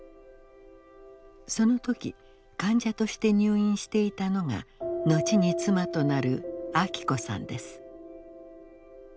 その時患者として入院していたのが後に妻となる昭子さんです。